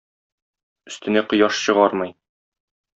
Өстенә кояш чыгармый.